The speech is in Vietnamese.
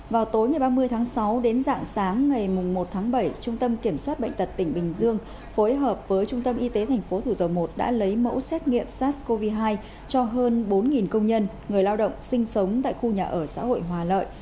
vào tối ngày ba mươi tháng sáu đến dạng sáng ngày một tháng bảy trung tâm kiểm soát bệnh tật tỉnh bình dương phối hợp với trung tâm y tế tp thủ dầu một đã lấy mẫu xét nghiệm sars cov hai cho hơn bốn công nhân người lao động sinh sống tại khu nhà ở xã hội hòa lợi